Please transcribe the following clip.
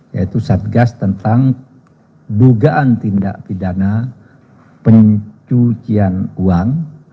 yaitu satgas tentang dugaan tindak pidana pencucian uang